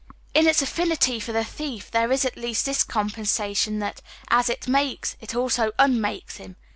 In its affinity for the thief there is at least this compensation that, as it makes, it also unmakes him.